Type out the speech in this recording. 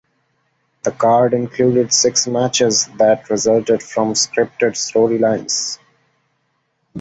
The card included six matches that resulted from scripted storylines.